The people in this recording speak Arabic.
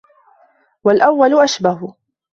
وَالْأَوَّلُ أَشْبَهُ